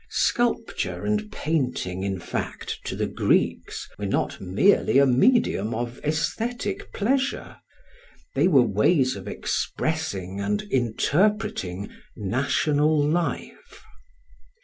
Sculpture and painting, in fact, to the Greeks, were not merely a medium of aesthetic pleasure; they were ways of expressing and interpreting national life.